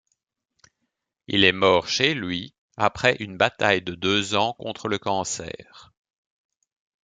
Il est mort chez lui après une bataille de deux ans contre le cancer.